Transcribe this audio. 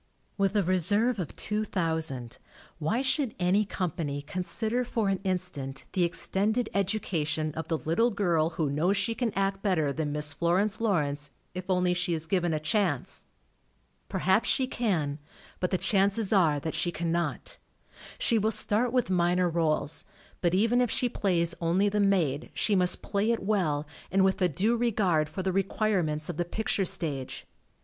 With a reserve of two thousand, why should any company consider for an in stant the extended education of the little girl who knows she can act better than Miss Florence Lawrence, if only she is given a chance? Perhaps she can, but the chances are that she cannot. She will start with minor rdles, but even if she plays only the maid she must play it well and with a due regard for the re quirements of the picture stage.